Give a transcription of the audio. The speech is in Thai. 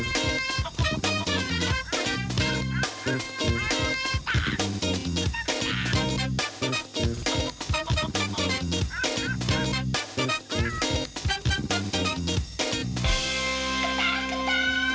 กลับมาแล้ว